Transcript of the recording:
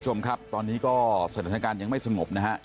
สวัสดีครับตอนนี้ก็เสด็จะการยังไม่สมมตินะครับ